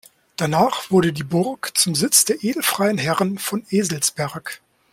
Danach wurde die Burg zum Sitz der edelfreien Herren von Eselsberg.